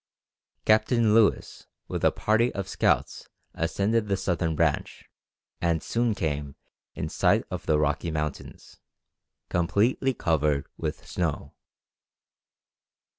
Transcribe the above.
Captain Lewis with a party of scouts ascended the southern branch, and soon came in sight of the Rocky Mountains, completely covered with snow.